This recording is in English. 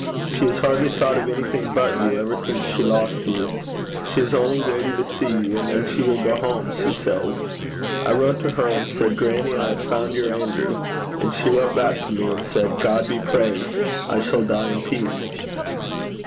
She has hardly thought of anything but you ever since she lost you. She is only waiting to see you, and then she will go home, she says. I wrote to her and said, "Grannie, I have found your Andrew." And she wrote back to me and said, "God be praised. I shall die in peace."'